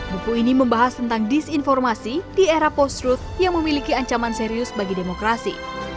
buku ini membahas tentang disinformasi di era post truth yang memiliki ancaman serius bagi demokrasi